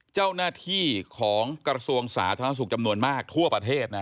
เจ้าหน้าที่ของกระทรวงสาธารณสุขจำนวนมากทั่วประเทศนะ